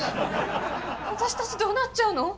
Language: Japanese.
私たちどうなっちゃうの？